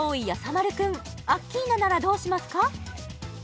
丸くんアッキーナならどうしますか？